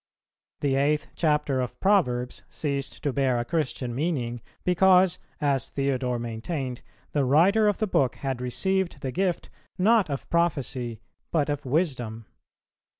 The eighth chapter of Proverbs ceased to bear a Christian meaning, because, as Theodore maintained, the writer of the book had received the gift, not of prophecy, but of wisdom.